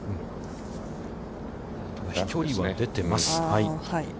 飛距離は出てます。